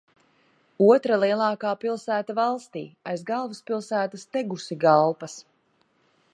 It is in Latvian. Otra lielākā pilsēta valstī aiz galvaspilsētas Tegusigalpas.